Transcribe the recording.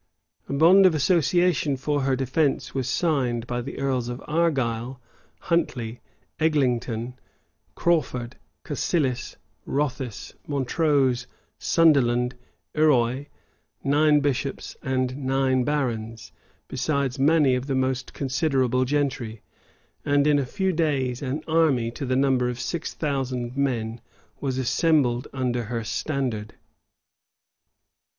A bond of association for her defence was signed by the earls of Argyle, Huntley, Eglington, Crawford, Cassilis, Rothes, Montrose, Sutherland, Erroi, nine bishops, and nine barons, besides many of the most considerable gentry.[*] And in a few days, an army, to the number of six thousand men, was assembled under her standard.